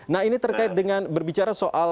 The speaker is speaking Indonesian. nah ini terkait dengan berbicara soal